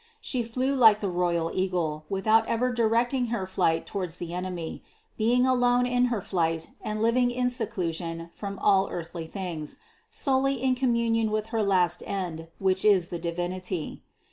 She flew like the royal eagle, without ever di recting her flight towards the enemy, being alone in her flight and living in seclusion from all earthly things, solely in communion with her last End, which is the Divinity.